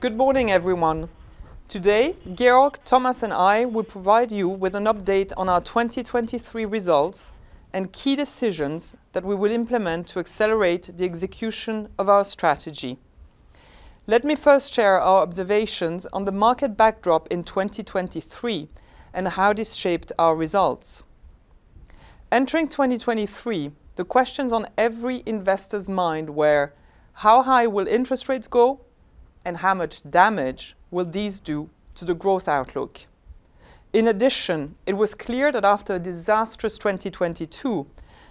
Good morning, everyone. Today, Georg, Thomas, and I will provide you with an update on our 2023 results and key decisions that we will implement to accelerate the execution of our strategy. Let me first share our observations on the market backdrop in 2023 and how this shaped our results. Entering 2023, the questions on every investor's mind were: how high will interest rates go, and how much damage will these do to the growth outlook? In addition, it was clear that after a disastrous 2022,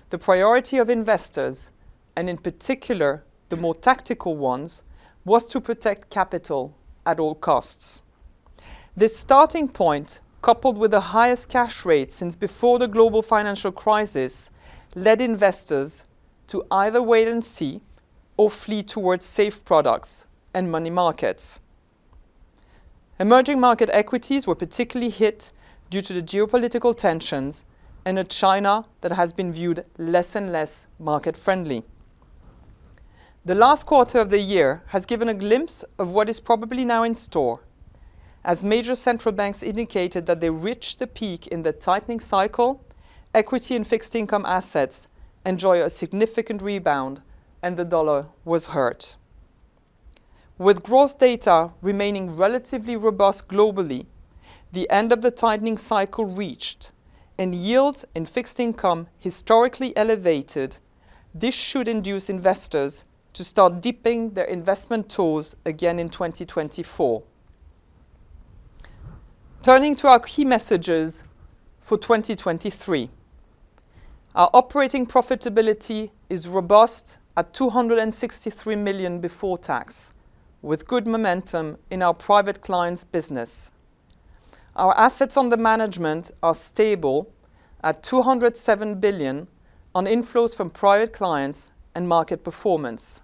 the priority of investors, and in particular, the more tactical ones, was to protect capital at all costs. This starting point, coupled with the highest cash rate since before the global financial crisis, led investors to either wait and see or flee towards safe products and money markets. Emerging market equities were particularly hit due to the geopolitical tensions and a China that has been viewed less and less market-friendly. The last quarter of the year has given a glimpse of what is probably now in store. As major central banks indicated that they reached the peak in the tightening cycle, equity and fixed income assets enjoy a significant rebound, and the US dollar was hurt. With growth data remaining relatively robust globally, the end of the tightening cycle reached, and yields in fixed income historically elevated. This should induce investors to start dipping their investment tools again in 2024. Turning to our key messages for 2023, our operating profitability is robust at 263 million before tax, with good momentum in our Private Clients' business. Our assets under management are stable at 207 billion on inflows from Private Clients and market performance.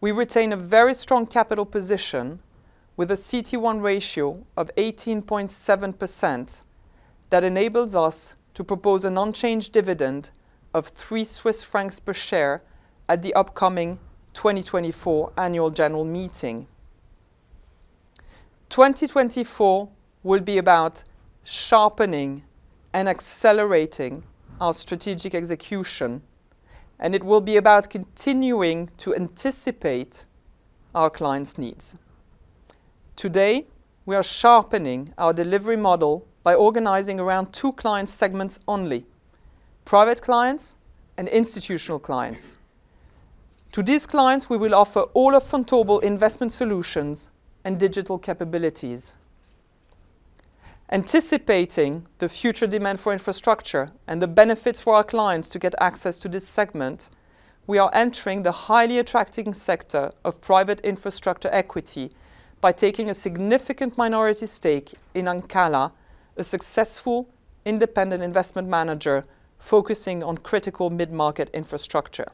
We retain a very strong capital position with a CET1 ratio of 18.7%. That enables us to propose an unchanged dividend of 3 Swiss francs per share at the upcoming 2024 annual general meeting. 2024 will be about sharpening and accelerating our strategic execution, and it will be about continuing to anticipate our clients' needs. Today, we are sharpening our delivery model by organizing around 2 client segments only: Private Clients and Institutional Clients. To these clients, we will offer all of Vontobel investment solutions and digital capabilities. Anticipating the future demand for infrastructure and the benefits for our clients to get access to this segment, we are entering the highly attracting sector of private infrastructure equity by taking a significant minority stake in Ancala, a successful independent investment manager focusing on critical mid-market infrastructure.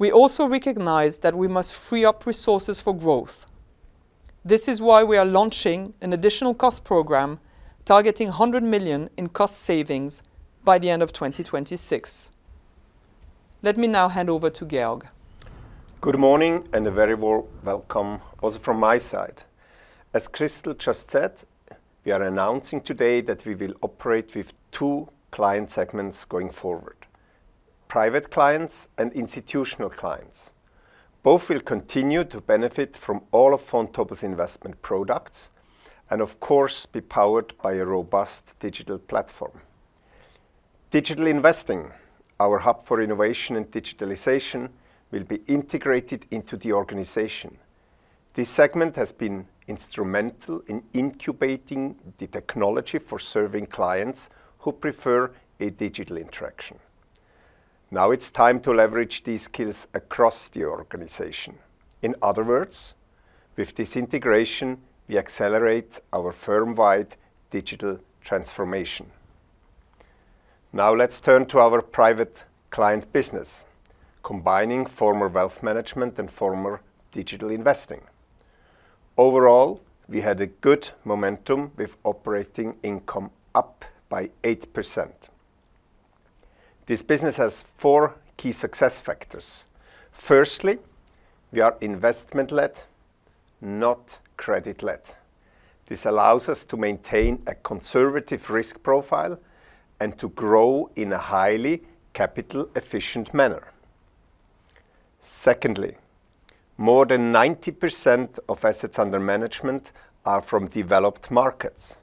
We also recognize that we must free up resources for growth. This is why we are launching an additional cost program targeting 100 million in cost savings by the end of 2026. Let me now hand over to Georg. Good morning, and a very warm welcome also from my side. As Christel just said, we are announcing today that we will operate with two client segments going forward: Private Clients and Institutional Clients. Both will continue to benefit from all of Vontobel's investment products and, of course, be powered by a robust digital platform. Digital Investing, our hub for innovation and digitalization, will be integrated into the organization. This segment has been instrumental in incubating the technology for serving clients who prefer a digital interaction. Now it's time to leverage these skills across the organization. In other words, with this integration, we accelerate our firm-wide digital transformation. Now, let's turn to our private client business, combining former Wealth Management and former Digital Investing. Overall, we had a good momentum, with operating income up by 8%. This business has four key success factors. Firstly, we are investment-led, not credit-led. This allows us to maintain a conservative risk profile and to grow in a highly capital-efficient manner. Secondly, more than 90% of assets under management are from developed markets,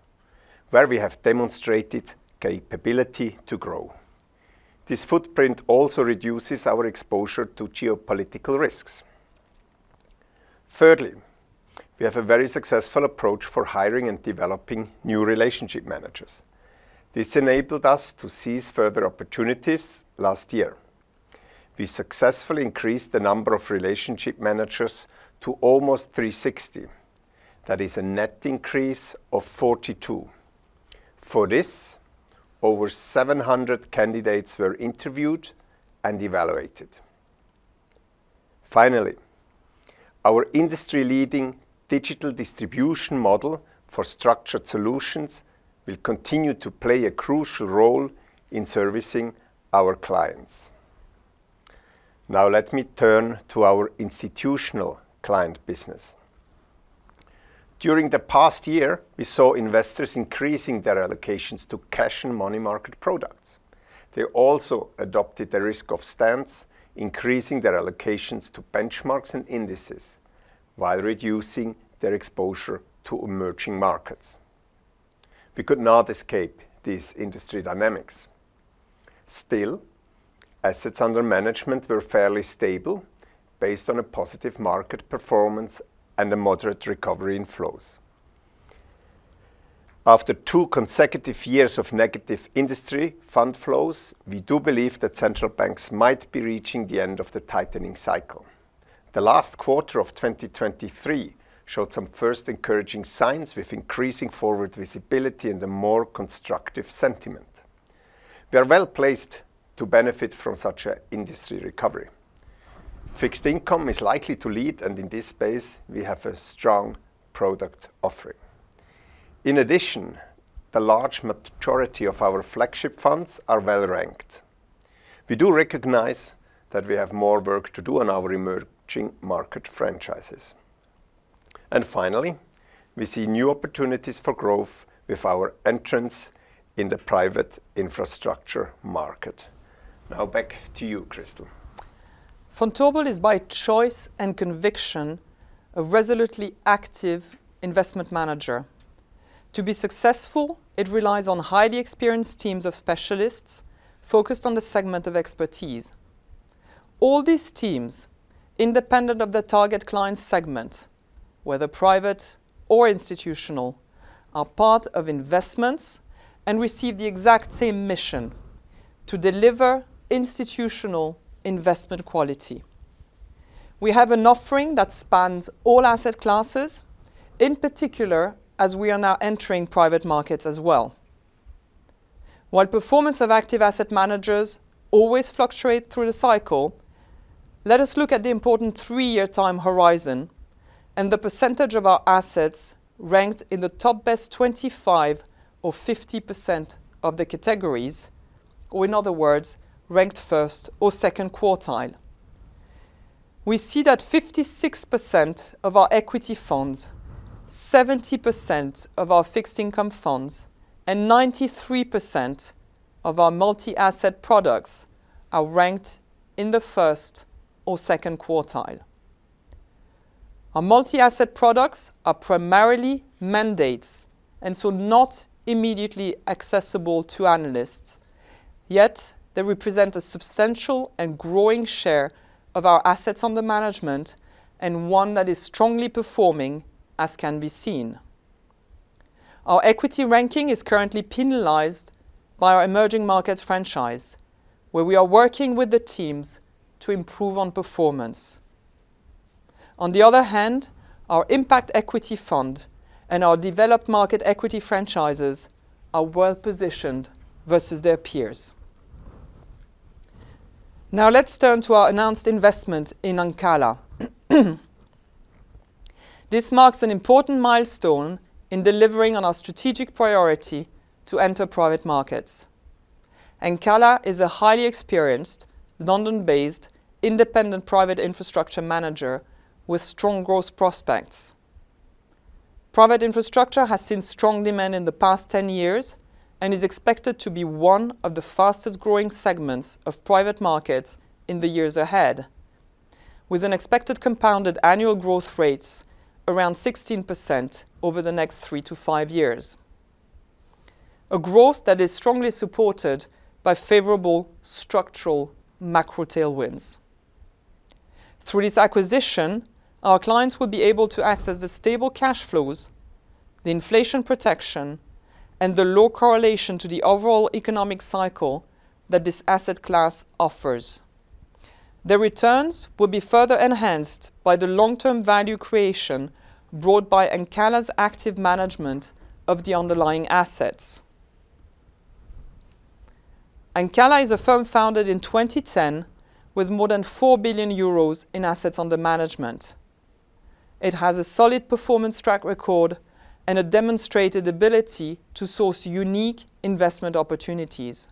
where we have demonstrated capability to grow. This footprint also reduces our exposure to geopolitical risks. Thirdly, we have a very successful approach for hiring and developing new relationship managers. This enabled us to seize further opportunities last year. We successfully increased the number of relationship managers to almost 360. That is a net increase of 42. For this, over 700 candidates were interviewed and evaluated. Finally, our industry-leading digital distribution model for structured solutions will continue to play a crucial role in servicing our clients. Now let me turn to our institutional client business. During the past year, we saw investors increasing their allocations to cash and money market products. They also adopted a risk-off stance, increasing their allocations to benchmarks and indices, while reducing their exposure to emerging markets. We could not escape these industry dynamics. Still, assets under management were fairly stable, based on a positive market performance and a moderate recovery in flows. After two consecutive years of negative industry fund flows, we do believe that central banks might be reaching the end of the tightening cycle. The last quarter of 2023 showed some first encouraging signs, with increasing forward visibility and a more constructive sentiment. We are well-placed to benefit from such a industry recovery. Fixed income is likely to lead, and in this space, we have a strong product offering. In addition, the large majority of our flagship funds are well-ranked. We do recognize that we have more work to do on our emerging market franchises. Finally, we see new opportunities for growth with our entrance in the private infrastructure market. Now back to you, Christel. Vontobel is, by choice and conviction, a resolutely active investment manager. To be successful, it relies on highly experienced teams of specialists focused on the segment of expertise. All these teams, independent of the target client segment, whether private or institutional, are part of Investments and receive the exact same mission: to deliver institutional investment quality. We have an offering that spans all asset classes, in particular, as we are now entering private markets as well. While performance of active asset managers always fluctuate through the cycle, let us look at the important three-year time horizon and the percentage of our assets ranked in the top best 25 or 50 percent of the categories, or in other words, ranked first or second quartile. We see that 56% of our equity funds, 70% of our fixed income funds, and 93% of our multi-asset products are ranked in the first or second quartile. Our multi-asset products are primarily mandates, and so not immediately accessible to analysts, yet they represent a substantial and growing share of our assets under management, and one that is strongly performing, as can be seen. Our equity ranking is currently penalized by our emerging markets franchise, where we are working with the teams to improve on performance. On the other hand, our impact equity fund and our developed market equity franchises are well-positioned versus their peers. Now let's turn to our announced investment in Ancala. This marks an important milestone in delivering on our strategic priority to enter private markets. Ancala is a highly experienced, London-based, independent private infrastructure manager with strong growth prospects. Private infrastructure has seen strong demand in the past 10 years and is expected to be one of the fastest-growing segments of private markets in the years ahead, with an expected compounded annual growth rates around 16% over the next 3-5 years, a growth that is strongly supported by favorable structural macro tailwinds. Through this acquisition, our clients will be able to access the stable cash flows, the inflation protection, and the low correlation to the overall economic cycle that this asset class offers. The returns will be further enhanced by the long-term value creation brought by Ancala's active management of the underlying assets. Ancala is a firm founded in 2010, with more than 4 billion euros in assets under management. It has a solid performance track record and a demonstrated ability to source unique investment opportunities.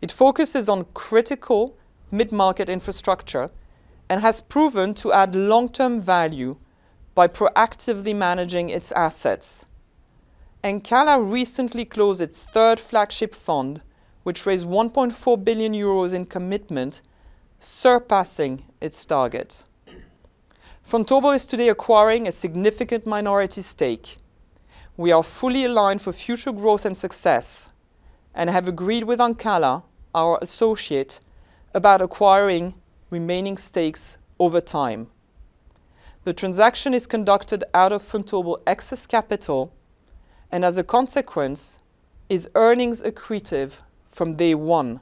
It focuses on critical mid-market infrastructure and has proven to add long-term value by proactively managing its assets. Ancala recently closed its third flagship fund, which raised 1.4 billion euros in commitment, surpassing its target. Vontobel is today acquiring a significant minority stake. We are fully aligned for future growth and success and have agreed with Ancala, our associate, about acquiring remaining stakes over time. The transaction is conducted out of Vontobel excess capital and, as a consequence, is earnings accretive from day one.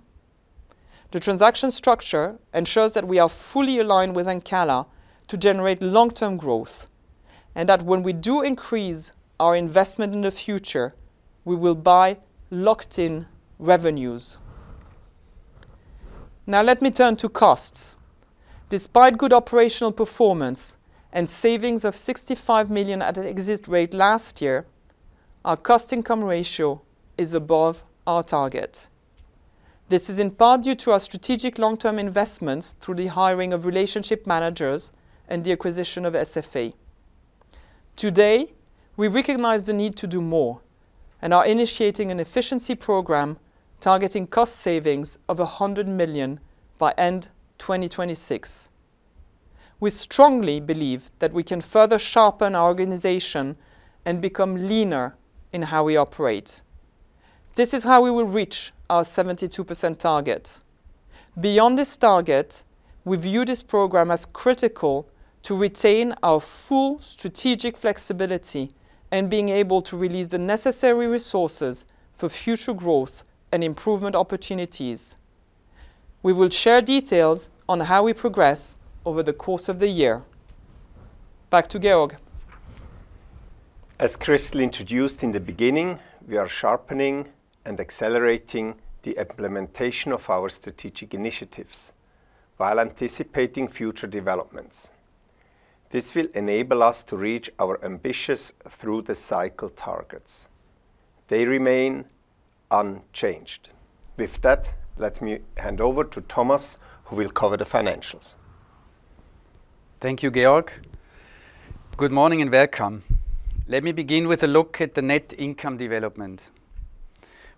The transaction structure ensures that we are fully aligned with Ancala to generate long-term growth, and that when we do increase our investment in the future, we will buy locked-in revenues. Now let me turn to costs. Despite good operational performance and savings of 65 million at an exit rate last year, our Cost-Income Ratio is above our target. This is in part due to our strategic long-term investments through the hiring of relationship managers and the acquisition of SFA. Today, we recognize the need to do more and are initiating an efficiency program targeting cost savings of 100 million by end 2026. We strongly believe that we can further sharpen our organization and become leaner in how we operate. This is how we will reach our 72% target. Beyond this target, we view this program as critical to retain our full strategic flexibility and being able to release the necessary resources for future growth and improvement opportunities. We will share details on how we progress over the course of the year. Back to Georg. As Christel introduced in the beginning, we are sharpening and accelerating the implementation of our strategic initiatives while anticipating future developments. This will enable us to reach our ambitious through-the-cycle targets. They remain unchanged. With that, let me hand over to Thomas, who will cover the financials. Thank you, Georg. Good morning and welcome. Let me begin with a look at the net income development.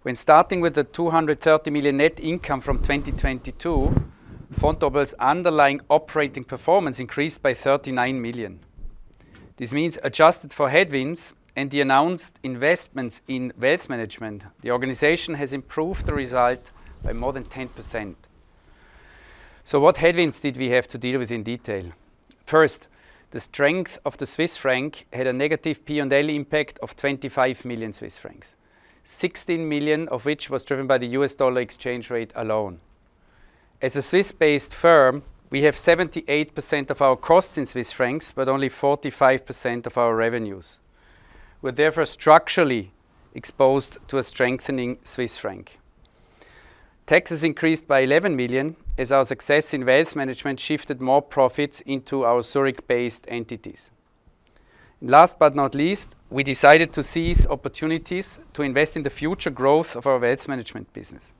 When starting with the 230 million net income from 2022, Vontobel's underlying operating performance increased by 39 million. This means, adjusted for headwinds and the announced investments in Wealth Management, the organization has improved the result by more than 10%. So what headwinds did we have to deal with in detail? First, the strength of the Swiss franc had a negative P&L impact of 25 million Swiss francs, 16 million of which was driven by the US dollar exchange rate alone. As a Swiss-based firm, we have 78% of our costs in Swiss francs, but only 45% of our revenues. We're therefore structurally exposed to a strengthening Swiss franc. Taxes increased by 11 million, as our success in Wealth Management shifted more profits into our Zurich-based entities. Last but not least, we decided to seize opportunities to invest in the future growth of our Wealth Management business.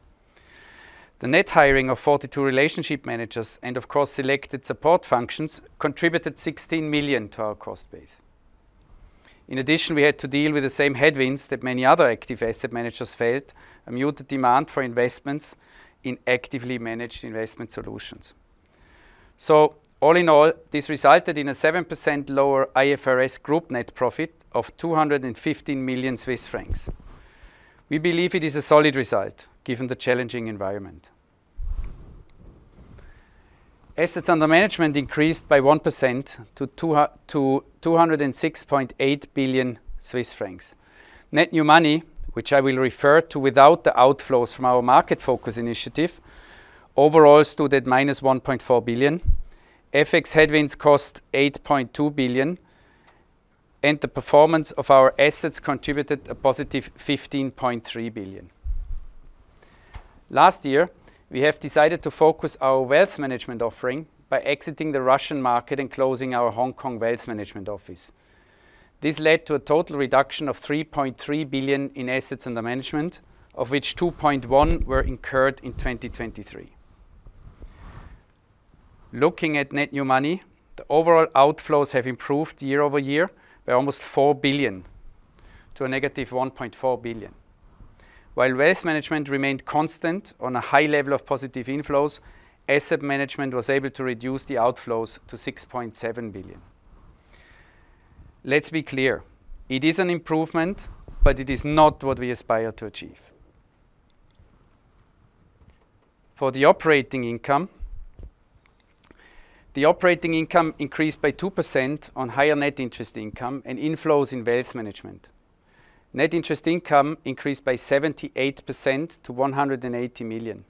The net hiring of 42 relationship managers and, of course, selected support functions contributed 16 million to our cost base. In addition, we had to deal with the same headwinds that many other active asset managers faced: a muted demand for investments in actively managed investment solutions. So all in all, this resulted in a 7% lower IFRS group net profit of 215 million Swiss francs. We believe it is a solid result, given the challenging environment. Assets under management increased by 1% to 206.8 billion Swiss francs. Net new money, which I will refer to without the outflows from our market focus initiative, overall stood at -1.4 billion. FX headwinds cost 8.2 billion, and the performance of our assets contributed a positive 15.3 billion. Last year, we have decided to focus our Wealth Management offering by exiting the Russian market and closing our Hong Kong Wealth Management office. This led to a total reduction of 3.3 billion in assets under management, of which 2.1 billion were incurred in 2023. Looking at net new money, the overall outflows have improved year over year by almost 4 billion, to a negative 1.4 billion. While Wealth Management remained constant on a high level of positive inflows, Asset Management was able to reduce the outflows to 6.7 billion. Let's be clear: It is an improvement, but it is not what we aspire to achieve. For the operating income, the operating income increased by 2% on higher net interest income and inflows in Wealth Management. Net interest income increased by 78% to 180 million.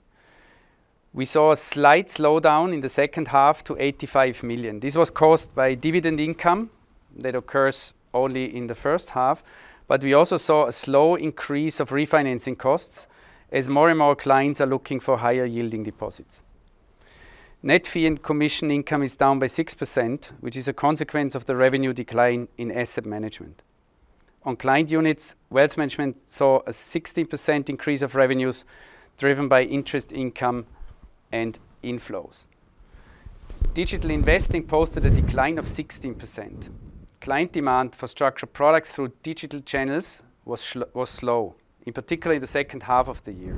We saw a slight slowdown in the second half to 85 million. This was caused by dividend income that occurs only in the first half, but we also saw a slow increase of refinancing costs as more and more clients are looking for higher-yielding deposits. Net fee and commission income is down by 6%, which is a consequence of the revenue decline in Asset Management. On client units, Wealth Management saw a 16% increase of revenues, driven by interest income and inflows. Digital Investing posted a decline of 16%. Client demand for structured products through digital channels was slow, particularly the second half of the year.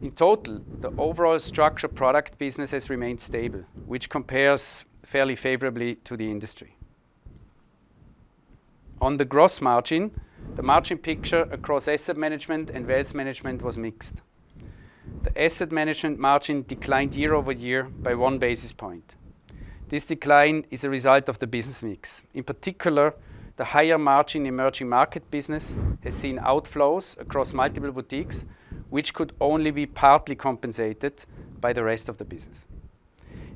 In total, the overall structured product business has remained stable, which compares fairly favorably to the industry. On the gross margin, the margin picture across Asset Management and Wealth Management was mixed. The Asset Management margin declined year-over-year by one basis point. This decline is a result of the business mix. In particular, the higher-margin emerging market business has seen outflows across multiple boutiques, which could only be partly compensated by the rest of the business.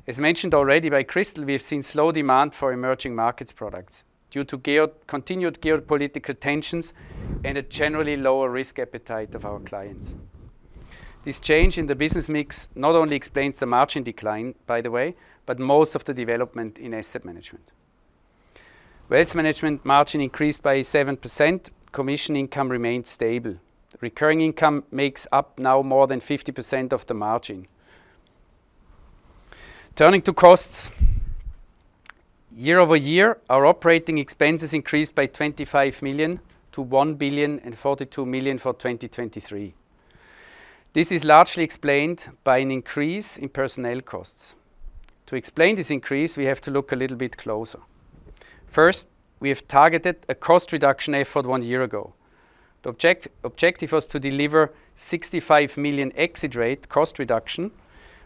As mentioned already by Christel, we have seen slow demand for emerging markets products due to continued geopolitical tensions and a generally lower risk appetite of our clients. This change in the business mix not only explains the margin decline, by the way, but most of the development in Asset Management. Wealth Management margin increased by 7%, commission income remained stable. Recurring income makes up now more than 50% of the margin. Turning to costs, year-over-year, our operating expenses increased by 25 million to 1,042 million for 2023. This is largely explained by an increase in personnel costs. To explain this increase, we have to look a little bit closer. First, we have targeted a cost reduction effort one year ago. The objective was to deliver 65 million exit rate cost reduction,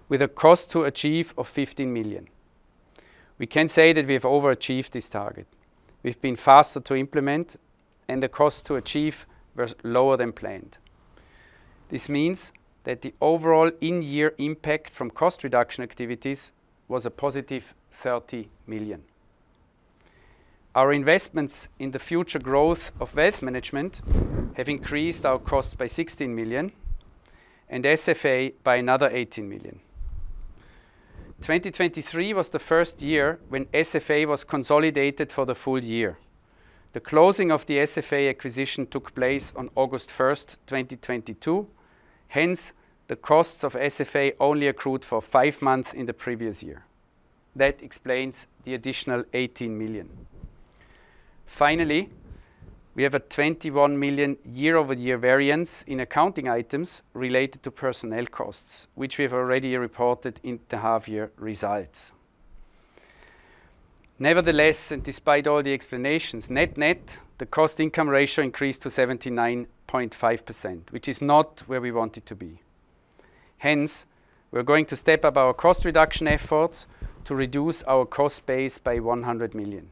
with a cost to achieve of 15 million. We can say that we have overachieved this target. We've been faster to implement, and the cost to achieve was lower than planned. This means that the overall in-year impact from cost reduction activities was a positive 30 million. Our investments in the future growth of Wealth Management have increased our costs by 16 million, and SFA by another 18 million. 2023 was the first year when SFA was consolidated for the full year. The closing of the SFA acquisition took place on August 1, 2022, hence, the costs of SFA only accrued for five months in the previous year. That explains the additional 18 million. Finally, we have a 21 million year-over-year variance in accounting items related to personnel costs, which we have already reported in the half-year results. Nevertheless, and despite all the explanations, net-net, the cost-income ratio increased to 79.5%, which is not where we want it to be. Hence, we're going to step up our cost reduction efforts to reduce our cost base by 100 million.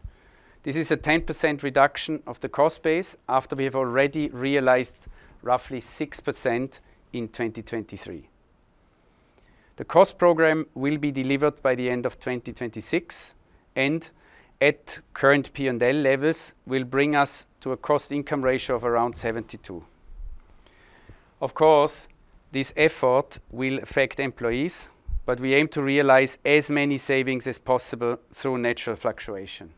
This is a 10% reduction of the cost base after we have already realized roughly 6% in 2023. The cost program will be delivered by the end of 2026, and at current P&L levels, will bring us to a cost income ratio of around 72. Of course, this effort will affect employees, but we aim to realize as many savings as possible through natural fluctuation.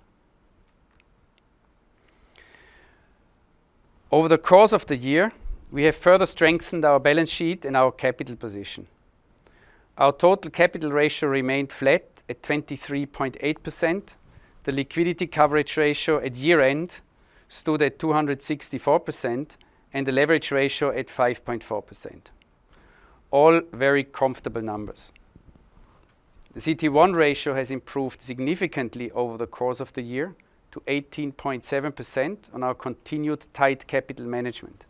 Over the course of the year, we have further strengthened our balance sheet and our capital position. Our total capital ratio remained flat at 23.8%. The liquidity coverage ratio at year-end stood at 264%, and the leverage ratio at 5.4%. All very comfortable numbers. The CET1 ratio has improved significantly over the course of the year to 18.7% on our continued tight capital management.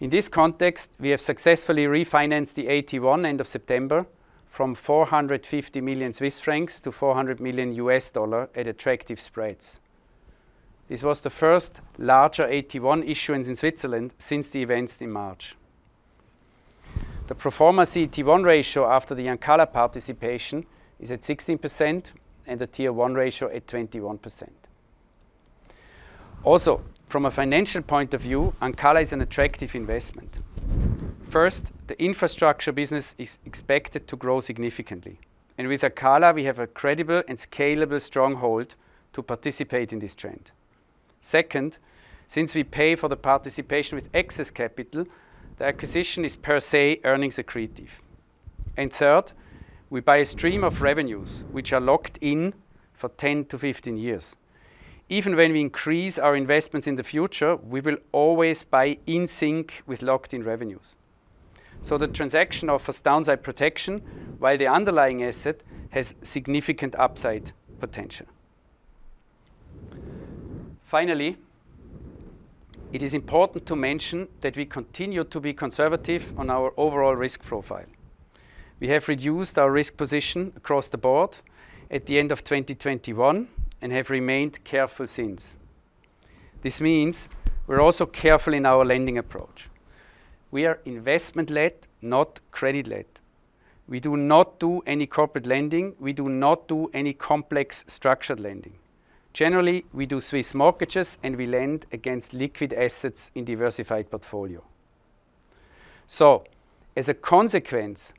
In this context, we have successfully refinanced the AT1 end of September from 450 million Swiss francs to $400 million at attractive spreads. This was the first larger AT1 issuance in Switzerland since the events in March. The pro forma CET1 ratio after the Ancala participation is at 16% and the Tier 1 ratio at 21%. Also, from a financial point of view, Ancala is an attractive investment. First, the infrastructure business is expected to grow significantly, and with Ancala, we have a credible and scalable stronghold to participate in this trend. Second, since we pay for the participation with excess capital, the acquisition is per se, earnings accretive. And third, we buy a stream of revenues which are locked in for 10-15 years. Even when we increase our investments in the future, we will always buy in sync with locked-in revenues. So the transaction offers downside protection, while the underlying asset has significant upside potential. Finally, it is important to mention that we continue to be conservative on our overall risk profile. We have reduced our risk position across the board at the end of 2021 and have remained careful since. This means we're also careful in our lending approach. We are investment-led, not credit-led. We do not do any corporate lending. We do not do any complex structured lending. Generally, we do Swiss mortgages, and we lend against liquid assets in diversified portfolio. So as a consequence,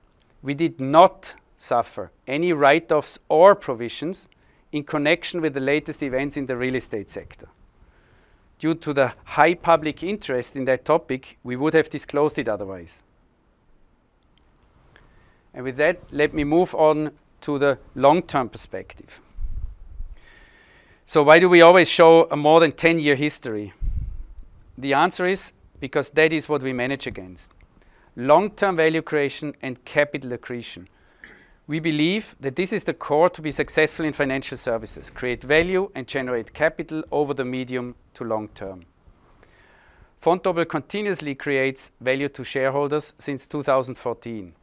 we did not suffer any write-offs or provisions in connection with the latest events in the real estate sector. Due to the high public interest in that topic, we would have disclosed it otherwise. And with that, let me move on to the long-term perspective. So why do we always show a more than 10-year history? The answer is: because that is what we manage against. Long-term value creation and capital accretion. We believe that this is the core to be successful in financial services, create value, and generate capital over the medium to long term. Vontobel continuously creates value to shareholders since 2014.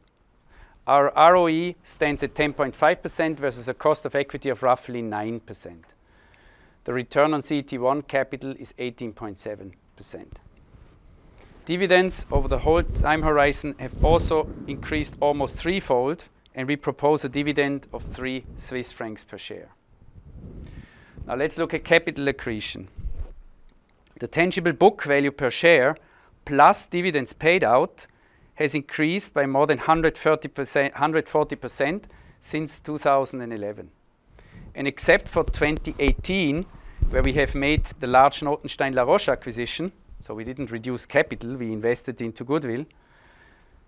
Our ROE stands at 10.5% versus a cost of equity of roughly 9%. The return on CET1 capital is 18.7%. Dividends over the whole time horizon have also increased almost threefold, and we propose a dividend of 3 Swiss francs per share. Now let's look at capital accretion. The tangible book value per share, plus dividends paid out, has increased by more than 130%, 140% since 2011. Except for 2018, where we have made the large Notenstein La Roche acquisition, so we didn't reduce capital, we invested into goodwill,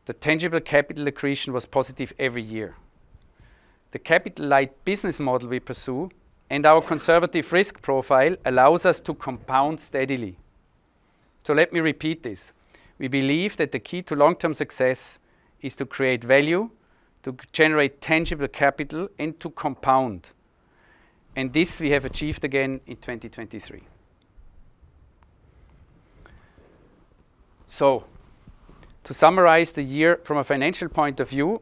the tangible capital accretion was positive every year. The capital light business model we pursue, and our conservative risk profile, allows us to compound steadily. So let me repeat this: We believe that the key to long-term success is to create value, to generate tangible capital, and to compound. And this we have achieved again in 2023. So to summarize the year from a financial point of view,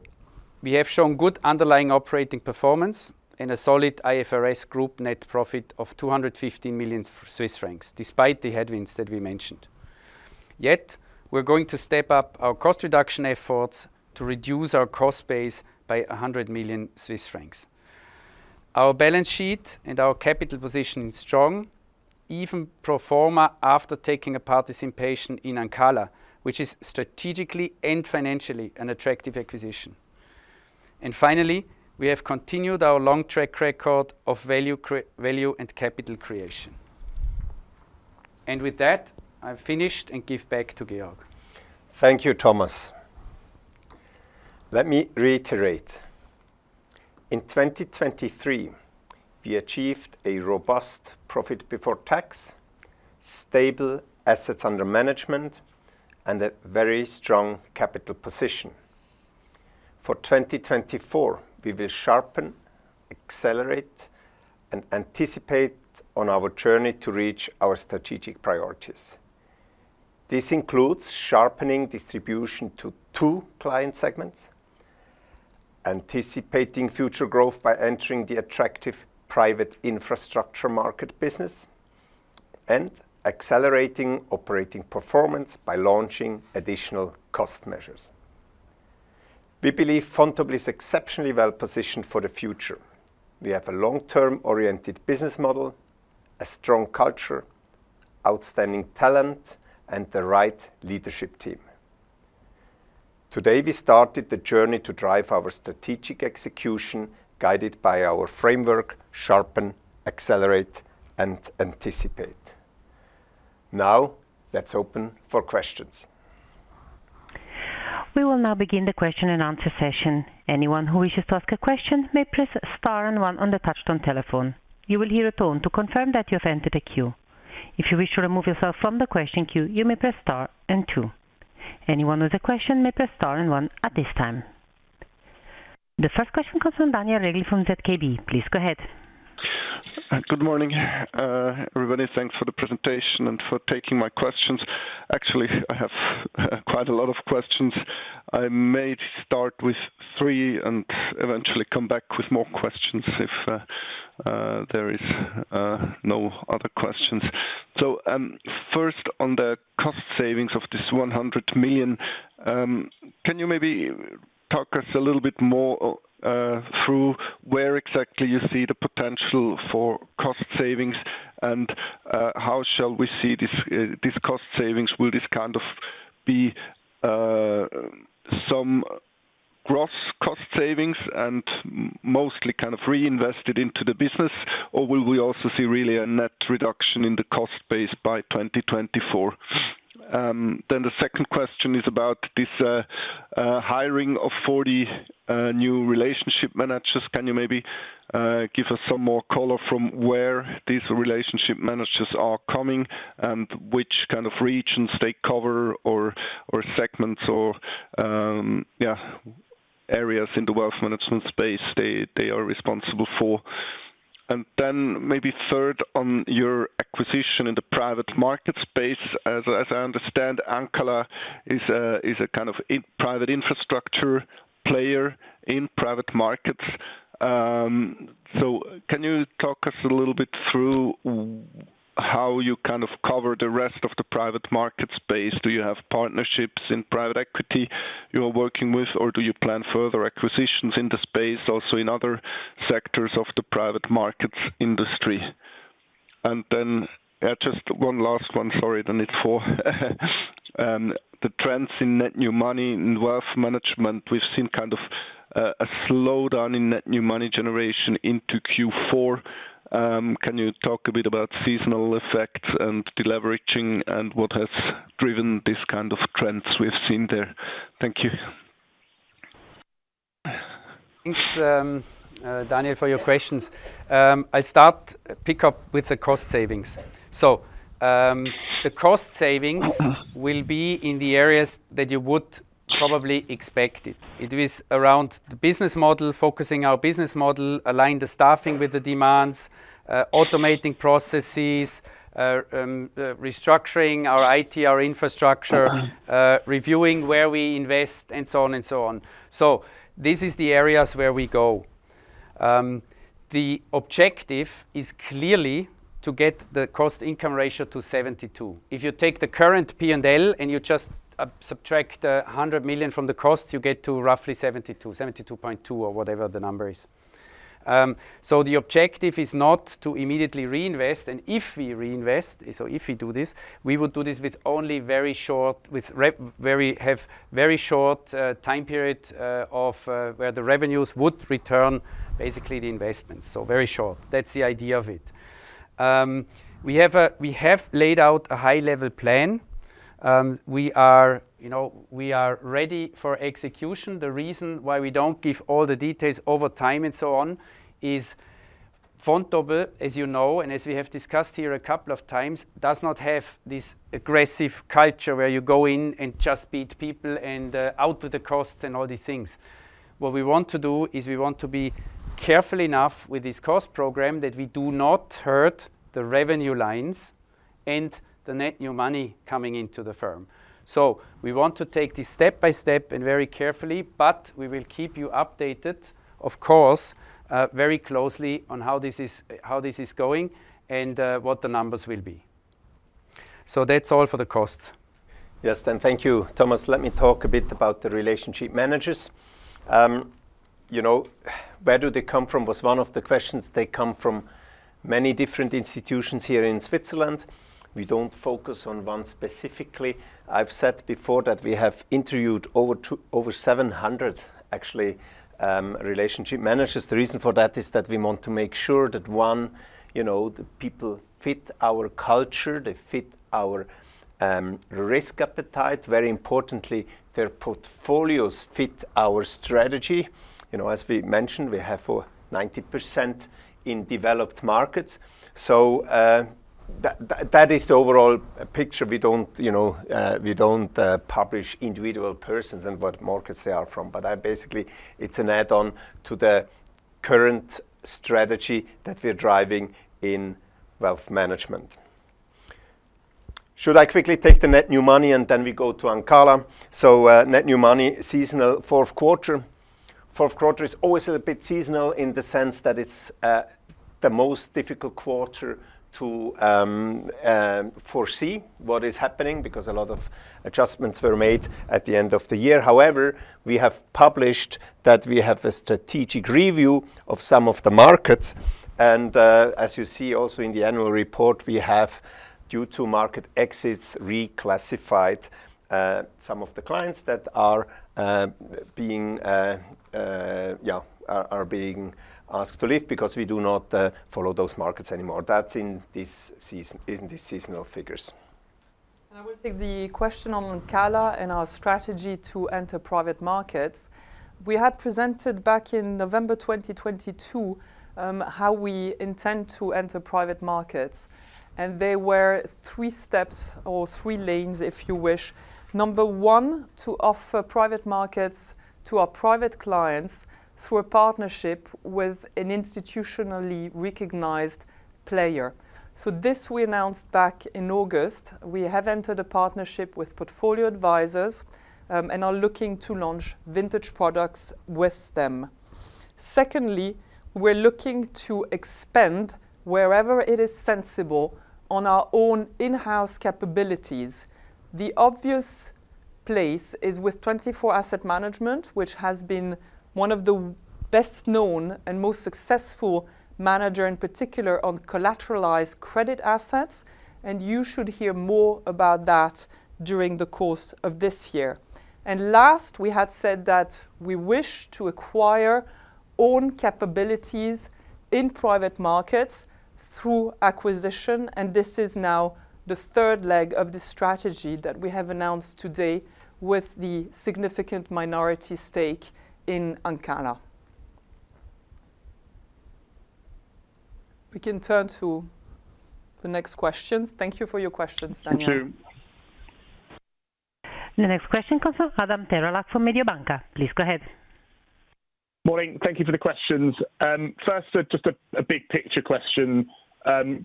we have shown good underlying operating performance and a solid IFRS group net profit of 250 million Swiss francs, despite the headwinds that we mentioned. Yet, we're going to step up our cost reduction efforts to reduce our cost base by 100 million Swiss francs. Our balance sheet and our capital position is strong, even pro forma, after taking a participation in Ancala, which is strategically and financially an attractive acquisition. And finally, we have continued our long track record of value and capital creation. And with that, I've finished and give back to Georg. Thank you, Thomas. Let me reiterate. In 2023, we achieved a robust profit before tax, stable assets under management, and a very strong capital position. For 2024, we will sharpen, accelerate, and anticipate on our journey to reach our strategic priorities. This includes sharpening distribution to two client segments, anticipating future growth by entering the attractive private infrastructure market business, and accelerating operating performance by launching additional cost measures. We believe Vontobel is exceptionally well-positioned for the future. We have a long-term-oriented business model, a strong culture, outstanding talent, and the right leadership team. Today, we started the journey to drive our strategic execution, guided by our framework, sharpen, accelerate, and anticipate. Now, let's open for questions. We will now begin the question and answer session. Anyone who wishes to ask a question may press star and one on the touchtone telephone. You will hear a tone to confirm that you have entered a queue. If you wish to remove yourself from the question queue, you may press star and two. Anyone with a question may press star and one at this time. The first question comes from Daniel Regli from ZKB. Please go ahead. Good morning, everybody. Thanks for the presentation and for taking my questions. Actually, I have quite a lot of questions. I may start with three and eventually come back with more questions if there is no other questions. So, first, on the cost savings of 100 million, can you maybe talk us a little bit more through where exactly you see the potential for cost savings? And, how shall we see this cost savings? Will this kind of be some gross cost savings and mostly kind of reinvested into the business, or will we also see really a net reduction in the cost base by 2024? Then the second question is about this hiring of 40 new relationship managers. Can you maybe give us some more color from where these relationship managers are coming, and which kind of regions they cover or segments or, yeah, areas in the Wealth Management space they are responsible for? And then maybe third, on your acquisition in the private market space. As I understand, Ancala is a kind of private infrastructure player in private markets. So can you talk us a little bit through how you kind of cover the rest of the private market space? Do you have partnerships in private equity you are working with, or do you plan further acquisitions in the space, also in other sectors of the private markets industry? And then, just one last one. Sorry, then it's four. The trends in net new money and Wealth Management, we've seen kind of a slowdown in net new money generation into Q4. Can you talk a bit about seasonal effects and deleveraging, and what has driven this kind of trends we've seen there? Thank you. Thanks, Daniel, for your questions. I start, pick up with the cost savings. So, the cost savings will be in the areas that you would probably expect it. It is around the business model, focusing our business model, align the staffing with the demands, automating processes, restructuring our IT, our infrastructure, reviewing where we invest, and so on and so on. So this is the areas where we go. The objective is clearly to get the Cost-Income Ratio to 72%. If you take the current P&L, and you just subtract 100 million from the cost, you get to roughly 72%, 72.2% or whatever the number is. So the objective is not to immediately reinvest, and if we reinvest, so if we do this, we would do this with only very short time period of where the revenues would return basically the investment. So very short. That's the idea of it. We have laid out a high-level plan. We are, you know, we are ready for execution. The reason why we don't give all the details over time and so on is Vontobel, as you know, and as we have discussed here a couple of times, does not have this aggressive culture where you go in and just beat people and out to the cost and all these things. What we want to do is we want to be careful enough with this cost program that we do not hurt the revenue lines and the net new money coming into the firm. So we want to take this step by step and very carefully, but we will keep you updated, of course, very closely on how this is going and what the numbers will be. So that's all for the costs. Yes, then thank you, Thomas. Let me talk a bit about the relationship managers. You know, where do they come from? Was one of the questions. They come from many different institutions here in Switzerland. We don't focus on one specifically. I've said before that we have interviewed over 700, actually, relationship managers. The reason for that is that we want to make sure that, one, you know, the people fit our culture, they fit our risk appetite. Very importantly, their portfolios fit our strategy. You know, as we mentioned, we have for 90% in developed markets, so that is the overall picture. We don't, you know, publish individual persons and what markets they are from, but basically, it's an add-on to the current strategy that we're driving in Wealth Management. Should I quickly take the net new money, and then we go to Ancala? So, net new money, seasonal fourth quarter. Fourth quarter is always a bit seasonal in the sense that it's the most difficult quarter to foresee what is happening because a lot of adjustments were made at the end of the year. However, we have published that we have a strategic review of some of the markets, and as you see also in the annual report, we have due to market exits reclassified some of the clients that are being asked to leave because we do not follow those markets anymore. That's in this seasonal figures. I will take the question on Ancala and our strategy to enter private markets. We had presented back in November 2022, how we intend to enter private markets, and they were three steps or three lanes, if you wish. Number one, to offer private markets to our Private Clients through a partnership with an institutionally recognized player. So this we announced back in August. We have entered a partnership with Portfolio Advisors, and are looking to launch vintage products with them. Secondly, we're looking to expand wherever it is sensible on our own in-house capabilities. The obvious place is with TwentyFour Asset Management, which has been one of the best-known and most successful manager, in particular on collateralized credit assets, and you should hear more about that during the course of this year. Last, we had said that we wish to acquire own capabilities in private markets through acquisition, and this is now the third leg of the strategy that we have announced today with the significant minority stake in Ancala. We can turn to the next questions. Thank you for your questions, Daniel. Thank you. The next question comes from Adam Terelak from Mediobanca. Please go ahead. Morning. Thank you for the questions. First, just a big picture question.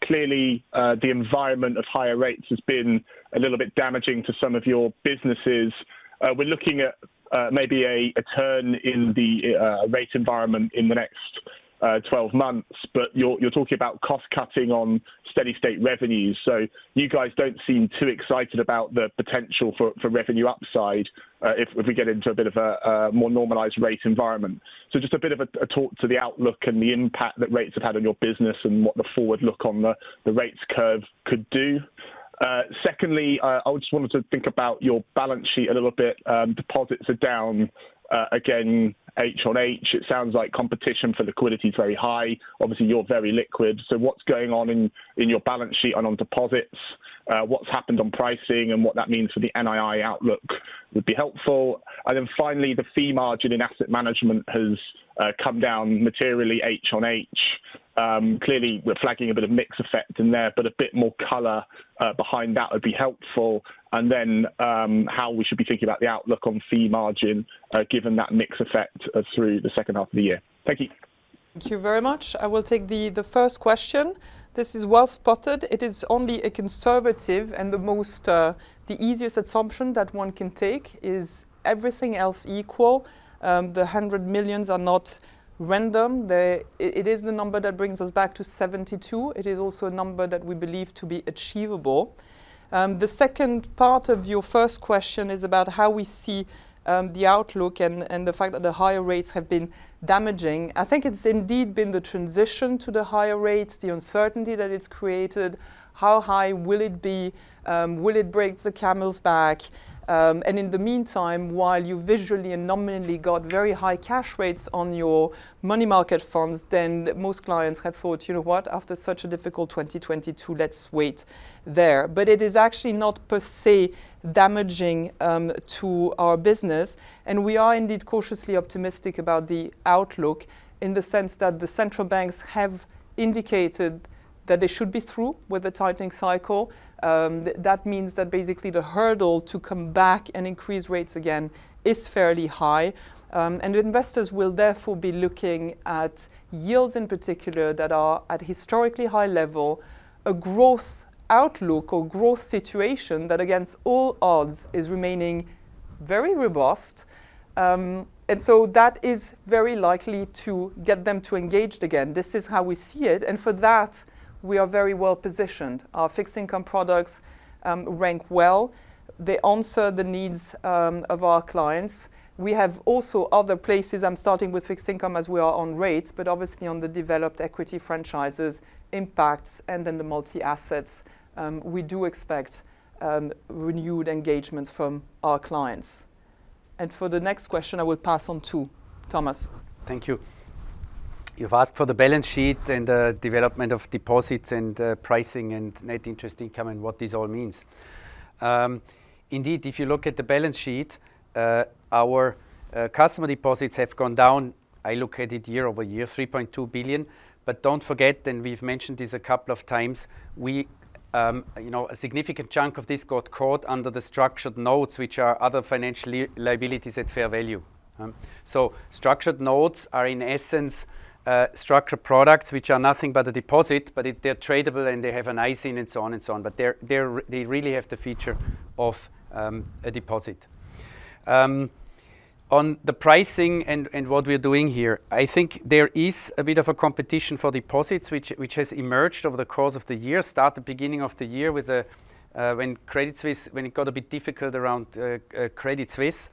Clearly, the environment of higher rates has been a little bit damaging to some of your businesses. We're looking at maybe a turn in the rate environment in the next 12 months, but you're talking about cost cutting on steady state revenues. So you guys don't seem too excited about the potential for revenue upside if we get into a bit of a more normalized rate environment. So just a bit of a talk to the outlook and the impact that rates have had on your business and what the forward look on the rates curve could do. Secondly, I just wanted to think about your balance sheet a little bit. Deposits are down again, H-on-H. It sounds like competition for liquidity is very high. Obviously, you're very liquid, so what's going on in your balance sheet and on deposits? What's happened on pricing and what that means for the NII outlook would be helpful. And then finally, the fee margin in Asset Management has come down materially H-on-H. Clearly, we're flagging a bit of mix effect in there, but a bit more color behind that would be helpful. And then, how we should be thinking about the outlook on fee margin given that mix effect through the second half of the year. Thank you.... Thank you very much. I will take the first question. This is well-spotted. It is only a conservative, and the most, the easiest assumption that one can take is everything else equal. The 100 million are not random. They—it is the number that brings us back to 72. It is also a number that we believe to be achievable. The second part of your first question is about how we see, the outlook and, and the fact that the higher rates have been damaging. I think it's indeed been the transition to the higher rates, the uncertainty that it's created, how high will it be? Will it break the camel's back? And in the meantime, while you visually and nominally got very high cash rates on your money market funds, then most clients have thought, "You know what? After such a difficult 2022, let's wait there." But it is actually not per se damaging to our business, and we are indeed cautiously optimistic about the outlook, in the sense that the central banks have indicated that they should be through with the tightening cycle. That means that basically, the hurdle to come back and increase rates again is fairly high. And investors will therefore be looking at yields, in particular, that are at historically high level, a growth outlook or growth situation that, against all odds, is remaining very robust. And so that is very likely to get them to engage again. This is how we see it, and for that, we are very well-positioned. Our fixed income products rank well. They answer the needs of our clients. We have also other places. I'm starting with fixed income as we are on rates, but obviously, on the developed equity franchises, impacts, and then the multi-assets, we do expect renewed engagements from our clients. For the next question, I will pass on to Thomas. Thank you. You've asked for the balance sheet and development of deposits, and pricing, and net interest income, and what this all means. Indeed, if you look at the balance sheet, our customer deposits have gone down. I look at it year-over-year, 3.2 billion. But don't forget, and we've mentioned this a couple of times, we, you know, a significant chunk of this got caught under the structured notes, which are other financial liabilities at fair value. So structured notes are, in essence, structured products, which are nothing but a deposit, but they're tradable, and they have an ISIN and so on and so on. But they're, they really have the feature of a deposit. On the pricing and, and what we're doing here, I think there is a bit of a competition for deposits, which, which has emerged over the course of the year, starting at the beginning of the year with the when Credit Suisse- when it got a bit difficult around Credit Suisse.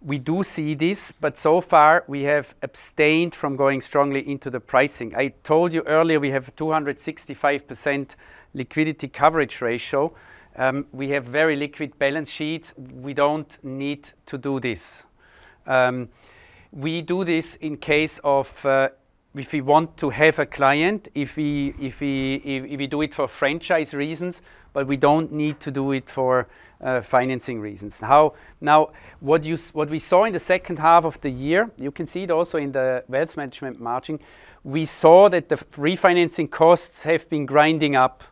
We do see this, but so far, we have abstained from going strongly into the pricing. I told you earlier, we have 265% liquidity coverage ratio. We have very liquid balance sheets. We don't need to do this. We do this in case of if we want to have a client, if we do it for franchise reasons, but we don't need to do it for financing reasons. Now, what we saw in the second half of the year, you can see it also in the Wealth Management margin. We saw that the refinancing costs have been grinding up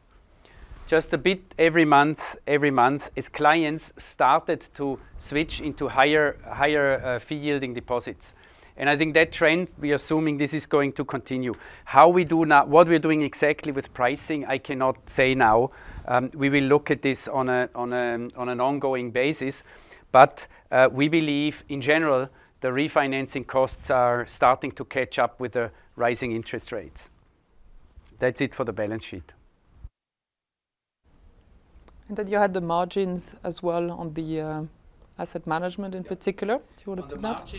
just a bit every month, every month, as clients started to switch into higher, higher, fee-yielding deposits. And I think that trend, we are assuming this is going to continue. What we're doing exactly with pricing, I cannot say now. We will look at this on an ongoing basis, but we believe, in general, the refinancing costs are starting to catch up with the rising interest rates. That's it for the balance sheet. That you had the margins as well on the Asset Management in particular. Yeah. Do you want to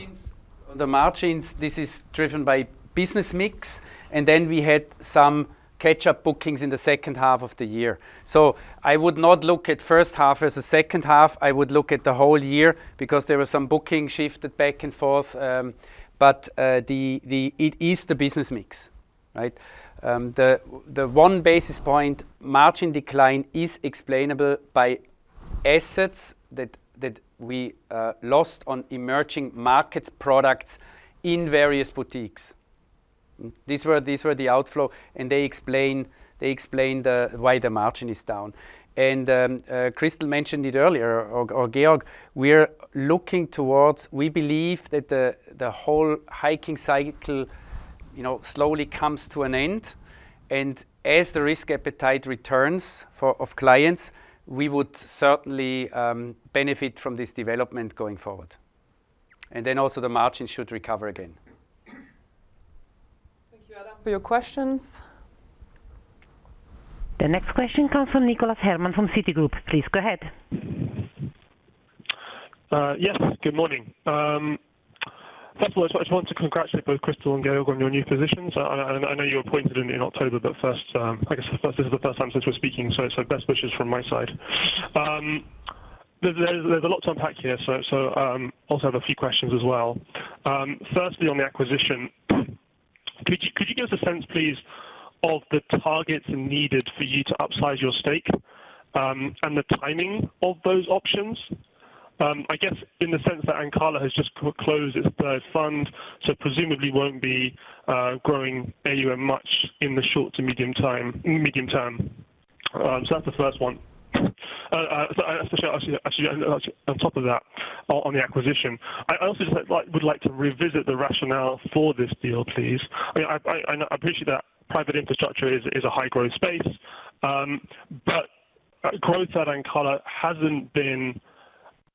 take that? On the margins, this is driven by business mix, and then we had some catch-up bookings in the second half of the year. So I would not look at first half versus second half. I would look at the whole year because there were some bookings shifted back and forth, but it is the business mix, right? The one basis point margin decline is explainable by assets that we lost on emerging markets products in various boutiques. These were the outflow, and they explain why the margin is down. Christel mentioned it earlier, or Georg. We're looking towards. We believe that the whole hiking cycle, you know, slowly comes to an end, and as the risk appetite returns of clients, we would certainly benefit from this development going forward. And then, also, the margin should recover again. Thank you a lot for your questions. The next question comes from Nicholas Herman from Citigroup. Please go ahead. Yes, good morning. First of all, I just want to congratulate both Christel and Georg on your new positions. I know you were appointed in October, but first, I guess, this is the first time since we're speaking, so best wishes from my side. There's a lot to unpack here, so also have a few questions as well. Firstly, on the acquisition, could you give us a sense, please, of the targets needed for you to upsize your stake, and the timing of those options? I guess, in the sense that Ancala has just closed its first fund, so presumably won't be growing AUM much in the short- to medium-term. So that's the first one. So, especially actually, actually on top of that, on the acquisition, I also just like would like to revisit the rationale for this deal, please. I mean, I know, I appreciate that private infrastructure is a high-growth space, but growth at Ancala hasn't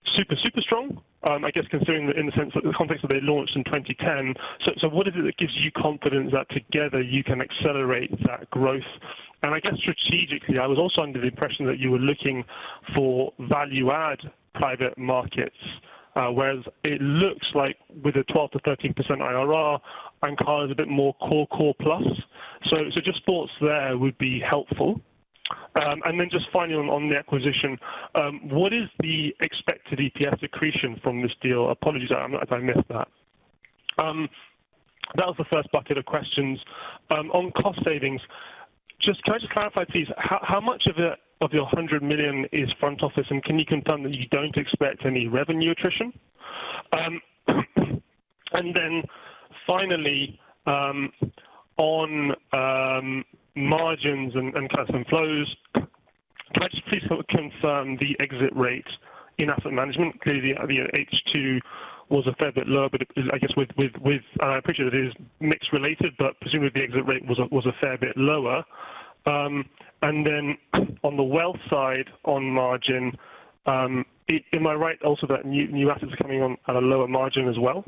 been super, super strong. I guess considering in the sense that the context that they launched in 2010, so what is it that gives you confidence that together you can accelerate that growth? And I guess strategically, I was also under the impression that you were looking for value-add private markets, whereas it looks like with a 12%-13% IRR, Ancala is a bit more core, core plus. So just thoughts there would be helpful. And then just finally, on the acquisition, what is the expected EPS accretion from this deal? Apologies if I missed that. That was the first bucket of questions. On cost savings, just can I just clarify, please, how much of your 100 million is front office, and can you confirm that you don't expect any revenue attrition? And then finally, on margins and cash inflows, can I just please confirm the exit rate in Asset Management? Clearly, you know, H2 was a fair bit lower, but I guess, with... and I appreciate it is mix related, but presumably, the exit rate was a fair bit lower. And then on the wealth side, on margin, am I right also that new, new assets are coming on at a lower margin as well?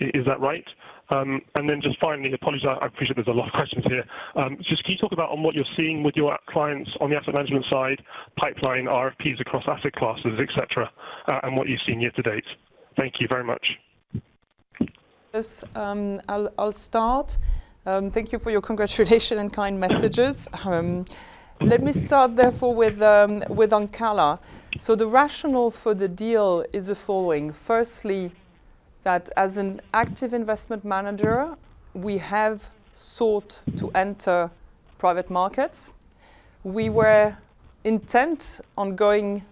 Is that right? And then just finally, apologies, I appreciate there's a lot of questions here. Just can you talk about on what you're seeing with your clients on the Asset Management side, pipeline, RFPs across asset classes, et cetera, and what you've seen year to date? Thank you very much. Yes, I'll start. Thank you for your congratulations and kind messages. Let me start therefore with Ancala. So the rationale for the deal is the following: firstly, that as an active investment manager, we have sought to enter private markets. We were intent on going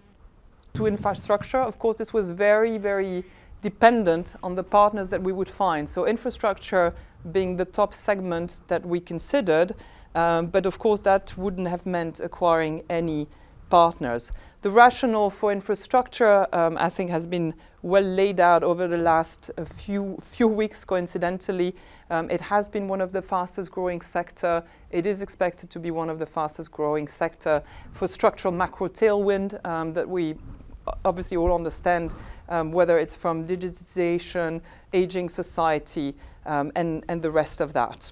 to infrastructure. Of course, this was very, very dependent on the partners that we would find, so infrastructure being the top segment that we considered, but of course, that wouldn't have meant acquiring any partners. The rationale for infrastructure, I think, has been well laid out over the last few weeks, coincidentally. It has been one of the fastest-growing sector. It is expected to be one of the fastest-growing sector for structural macro tailwind, that we obviously all understand, whether it's from digitization, aging society, and the rest of that.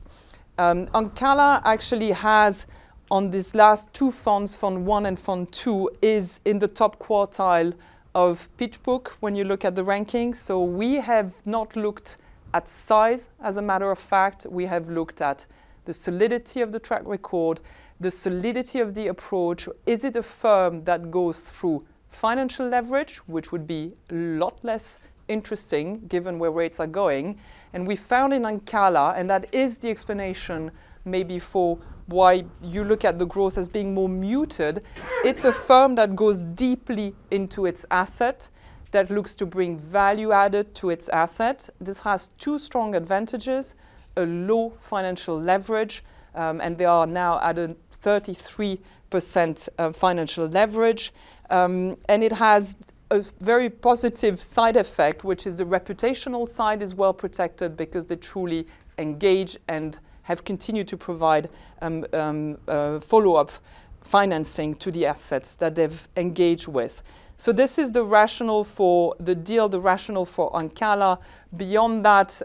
Ancala actually has on these last two funds, Fund I and Fund II, is in the top quartile of PitchBook when you look at the rankings. So we have not looked at size. As a matter of fact, we have looked at the solidity of the track record, the solidity of the approach. Is it a firm that goes through financial leverage, which would be a lot less interesting, given where rates are going? And we found in Ancala, and that is the explanation maybe for why you look at the growth as being more muted. It's a firm that goes deeply into its asset, that looks to bring value added to its asset. This has two strong advantages: a low financial leverage, and they are now at a 33%, financial leverage. And it has a very positive side effect, which is the reputational side is well protected because they truly engage and have continued to provide follow-up financing to the assets that they've engaged with. So this is the rationale for the deal, the rationale for Ancala. Beyond that,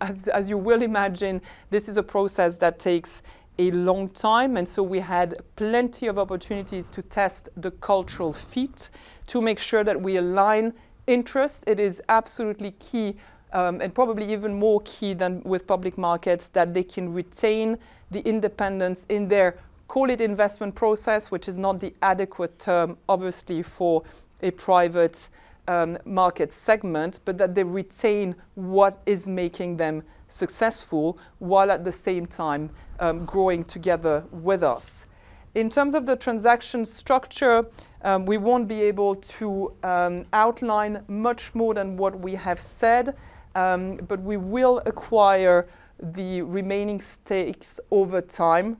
as you well imagine, this is a process that takes a long time, and so we had plenty of opportunities to test the cultural fit to make sure that we align interest. It is absolutely key, and probably even more key than with public markets, that they can retain the independence in their, call it, investment process, which is not the adequate term, obviously, for a private market segment, but that they retain what is making them successful while at the same time, growing together with us. In terms of the transaction structure, we won't be able to outline much more than what we have said, but we will acquire the remaining stakes over time.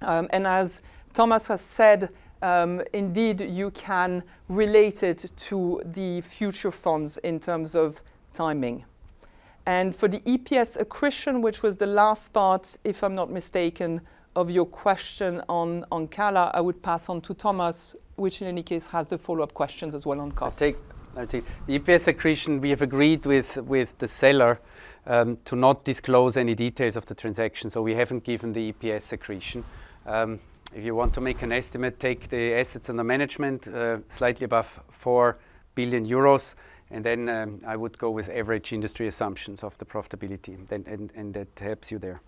As Thomas has said, indeed, you can relate it to the future funds in terms of timing. For the EPS accretion, which was the last part, if I'm not mistaken, of your question on Ancala, I would pass on to Thomas, which in any case, has the follow-up questions as well on costs. I'll take, I'll take. The EPS accretion we have agreed with the seller to not disclose any details of the transaction, so we haven't given the EPS accretion. If you want to make an estimate, take the assets and the management slightly above 4 billion euros, and then I would go with average industry assumptions of the profitability, then and that helps you there.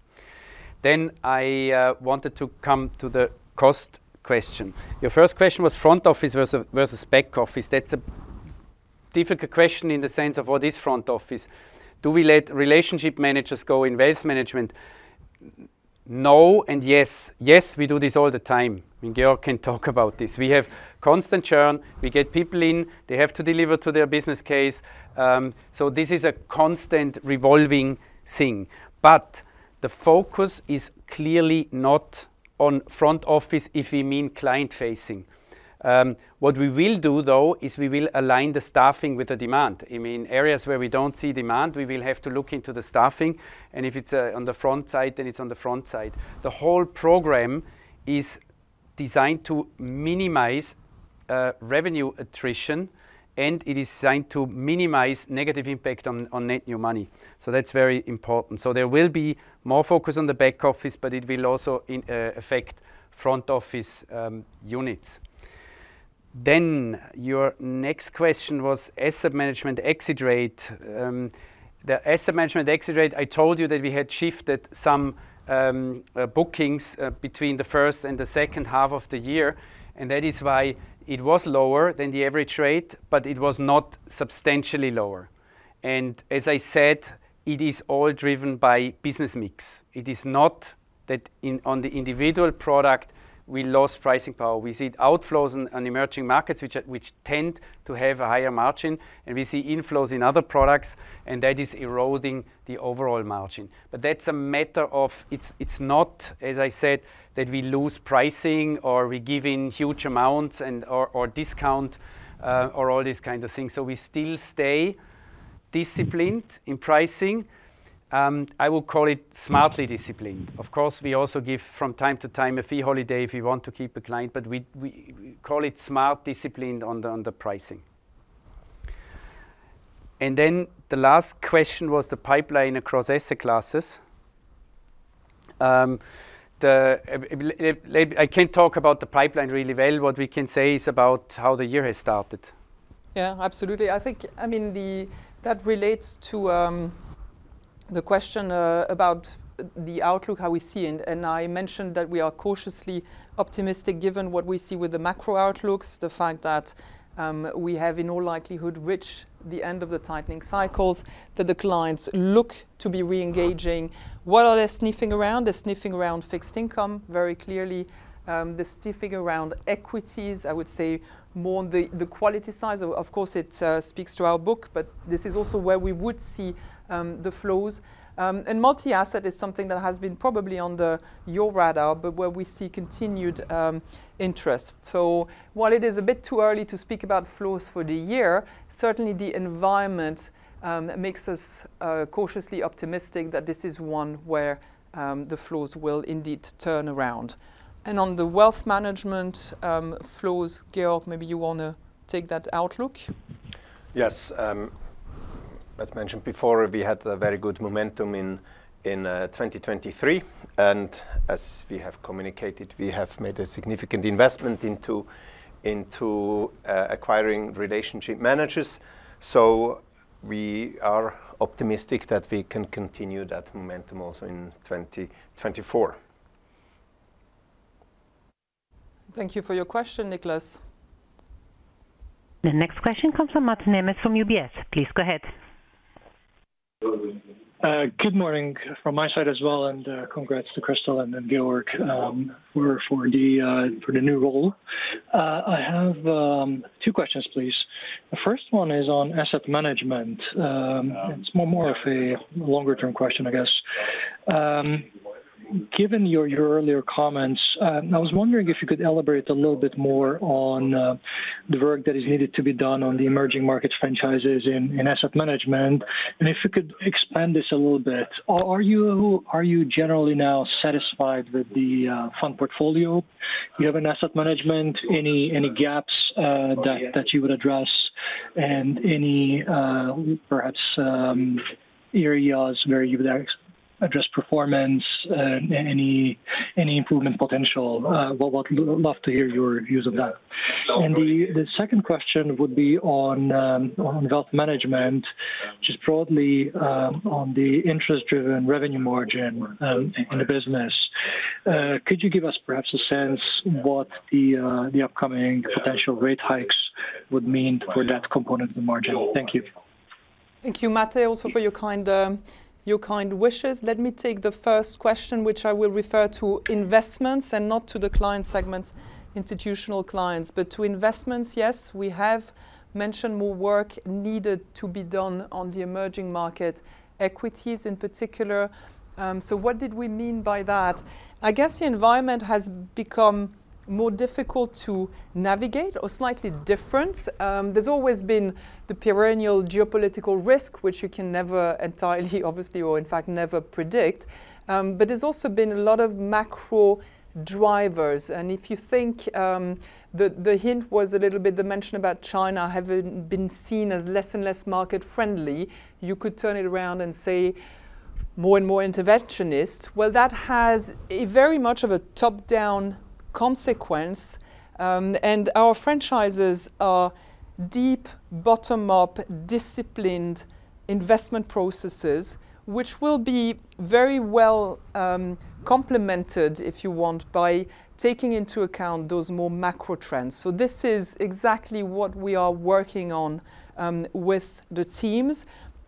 Then I wanted to come to the cost question. Your first question was front office versus versus back office. That's a difficult question in the sense of what is front office? Do we let relationship managers go in Wealth Management? No and yes. Yes, we do this all the time. I mean, Georg can talk about this. We have constant churn. We get people in. They have to deliver to their business case. So this is a constant revolving thing. The focus is clearly not on front office, if you mean client-facing. What we will do, though, is we will align the staffing with the demand. I mean, areas where we don't see demand, we will have to look into the staffing, and if it's on the front side, then it's on the front side. The whole program is designed to minimize revenue attrition, and it is designed to minimize negative impact on net new money. So that's very important. So there will be more focus on the back office, but it will also affect front office units. Then, your next question was Asset Management exit rate. The Asset Management exit rate, I told you that we had shifted some, bookings, between the first and the second half of the year, and that is why it was lower than the average rate, but it was not substantially lower. And as I said, it is all driven by business mix. It is not that in-- on the individual product, we lost pricing power. We see outflows in, on emerging markets, which are, which tend to have a higher margin, and we see inflows in other products, and that is eroding the overall margin. But that's a matter of... It's, it's not, as I said, that we lose pricing or we're giving huge amounts and, or, or discount, or all these kinds of things. So we still stay disciplined in pricing. I will call it smartly disciplined. Of course, we also give, from time to time, a fee holiday if we want to keep a client, but we call it smart discipline on the pricing. And then the last question was the pipeline across asset classes. I can't talk about the pipeline really well. What we can say is about how the year has started. Yeah, absolutely. I think, I mean, that relates to the question about the outlook, how we see it. And, and I mentioned that we are cautiously optimistic, given what we see with the macro outlooks, the fact that we have, in all likelihood, reached the end of the tightening cycles, that the clients look to be re-engaging. What are they sniffing around? They're sniffing around fixed income, very clearly. They're sniffing around equities, I would say more on the quality side. Of course, it speaks to our book, but this is also where we would see the flows. And multi-asset is something that has been probably on your radar, but where we see continued interest. So while it is a bit too early to speak about flows for the year, certainly the environment makes us cautiously optimistic that this is one where the flows will indeed turn around. And on the Wealth Management flows, Georg, maybe you want to take that outlook? Yes. As mentioned before, we had a very good momentum in 2023, and as we have communicated, we have made a significant investment into acquiring relationship managers. So we are optimistic that we can continue that momentum also in 2024. Thank you for your question, Nicholas. The next question comes from Mate Nemes, from UBS. Please go ahead. Good morning from my side as well, and congrats to Christel and then Georg for the new role. I have two questions, please. The first one is on Asset Management. It's more of a longer-term question, I guess. Given your earlier comments, I was wondering if you could elaborate a little bit more on the work that is needed to be done on the emerging markets franchises in Asset Management, and if you could expand this a little bit. Are you generally now satisfied with the fund portfolio you have in Asset Management, any gaps that you would address and any, perhaps, areas where you would address performance, any improvement potential? Well, would love to hear your views on that. The second question would be on Wealth Management, just broadly, on the interest-driven revenue margin in the business. Could you give us perhaps a sense what the upcoming potential rate hikes would mean for that component of the margin? Thank you. Thank you, Mate, also for your kind, your kind wishes. Let me take the first question, which I will refer to investments and not to the client segments, Institutional Clients. But to investments, yes, we have mentioned more work needed to be done on the emerging market, equities in particular. So what did we mean by that? I guess the environment has become more difficult to navigate or slightly different. There's always been the perennial geopolitical risk, which you can never entirely, obviously, or in fact, never predict. But there's also been a lot of macro drivers. And if you think, the hint was a little bit the mention about China having been seen as less and less market-friendly, you could turn it around and say, more and more interventionist. Well, that has a very much of a top-down consequence, and our franchises are deep, bottom-up, disciplined investment processes, which will be very well, complemented, if you want, by taking into account those more macro trends. So this is exactly what we are working on, with the teams.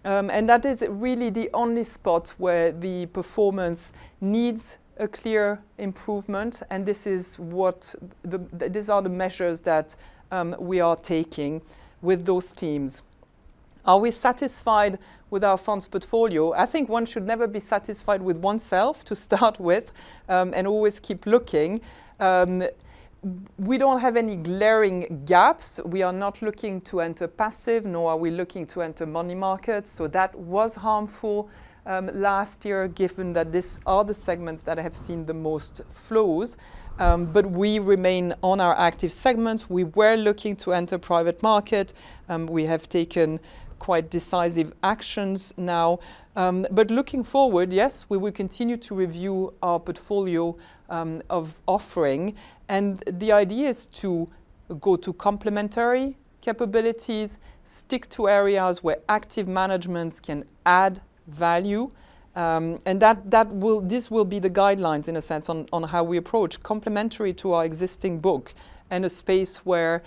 And that is really the only spot where the performance needs a clear improvement, and this is what these are the measures that we are taking with those teams. Are we satisfied with our funds portfolio? I think one should never be satisfied with oneself, to start with, and always keep looking. We don't have any glaring gaps. We are not looking to enter passive, nor are we looking to enter money markets, so that was harmful, last year, given that these are the segments that have seen the most flows. We remain on our active segments. We were looking to enter private market, and we have taken quite decisive actions now. Looking forward, yes, we will continue to review our portfolio of offering, and the idea is to go to complementary capabilities, stick to areas where active managements can add value. And that, that will, this will be the guidelines, in a sense, on, on how we approach complementary to our existing book, and a space where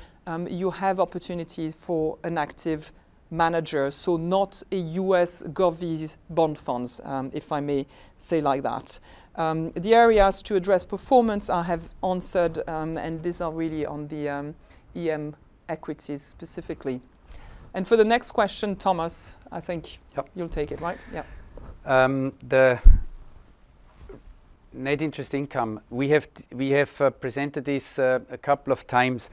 you have opportunity for an active manager, so not a US govies bond funds, if I may say like that. The areas to address performance, I have answered, and these are really on the EM equities, specifically. For the next question, Thomas, I think- Yep. You'll take it, right? Yep. The net interest income. We have presented this a couple of times.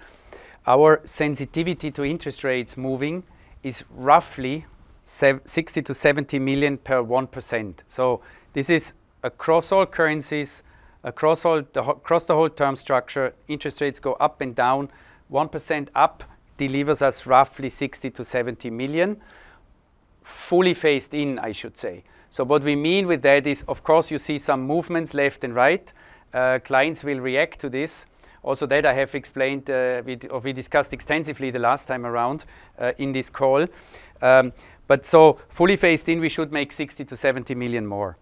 Our sensitivity to interest rates moving is roughly 60-70 million per 1%. So this is across all currencies, across the whole term structure, interest rates go up and down. 1% up delivers us roughly 60-70 million, fully phased in, I should say. So what we mean with that is, of course, you see some movements left and right. Clients will react to this. Also, that I have explained, we, or we discussed extensively the last time around, in this call. But so fully phased in, we should make 60-70 million more.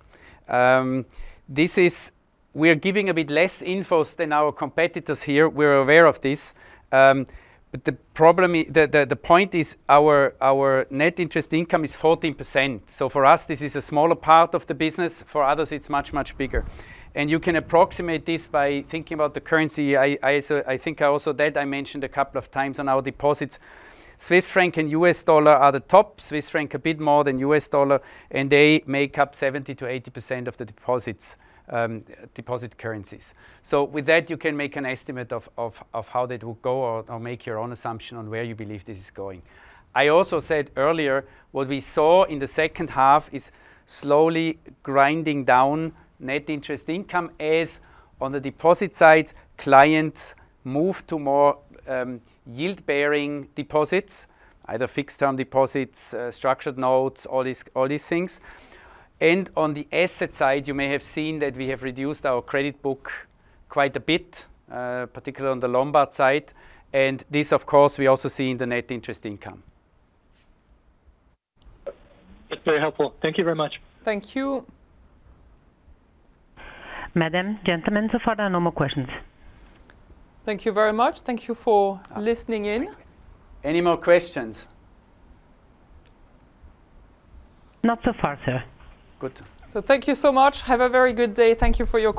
This is... We are giving a bit less infos than our competitors here. We're aware of this. But the problem is, the point is our net interest income is 14%. So for us, this is a smaller part of the business. For others, it's much, much bigger. And you can approximate this by thinking about the currency. I also think that I mentioned a couple of times on our deposits, Swiss franc and US dollar are the top. Swiss franc, a bit more than US dollar, and they make up 70%-80% of the deposits, deposit currencies. So with that, you can make an estimate of how that will go out or make your own assumption on where you believe this is going. I also said earlier, what we saw in the second half is slowly grinding down net interest income, as on the deposit side, clients move to more, yield-bearing deposits, either fixed-term deposits, structured notes, all these, all these things. And on the asset side, you may have seen that we have reduced our credit book quite a bit, particularly on the Lombard side, and this, of course, we also see in the net interest income. That's very helpful. Thank you very much. Thank you. Madam, gentlemen, so far, there are no more questions. Thank you very much. Thank you for listening in. Any more questions? Not so far, sir. Good. Thank you so much. Have a very good day. Thank you for your questions.